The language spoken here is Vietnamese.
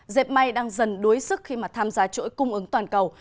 dẹp may đang dần đuối sức khi tham gia chuỗi cung ứng toàn cầu